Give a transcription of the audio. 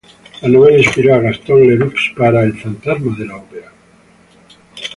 La novela inspiró a Gastón Leroux para "El fantasma de la ópera".